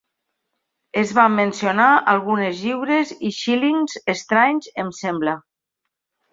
Es van mencionar algunes lliures i xílings estranys, em sembla.